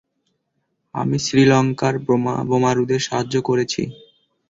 আমি শ্রীলঙ্কার বোমারুদের সাহায্য করেছি।